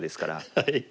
はい。